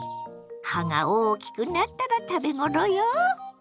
葉が大きくなったら食べ頃よ。